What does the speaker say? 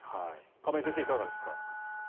亀井先生、いかがですか？